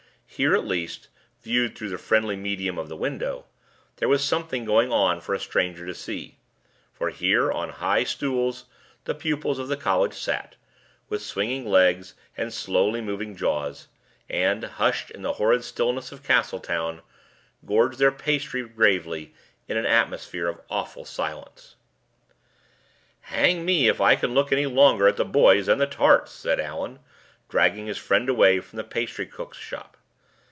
Here, at least (viewed through the friendly medium of the window), there was something going on for a stranger to see; for here, on high stools, the pupils of the college sat, with swinging legs and slowly moving jaws, and, hushed in the horrid stillness of Castletown, gorged their pastry gravely, in an atmosphere of awful silence. "Hang me if I can look any longer at the boys and the tarts!" said Allan, dragging his friend away from the pastry cook's shop.